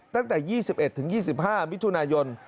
ตั้งแต่๒๑๒๕มิถุนายน